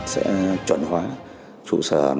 sẽ chuẩn hóa trụ sở